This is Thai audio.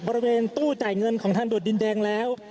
บริเวณตู้จ่ายเงินของทางด่วนดินแดงแล้ว